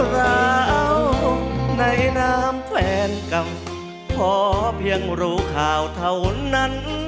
ราวในน้ำแฟนเก่าพอเพียงรู้ข่าวเท่านั้น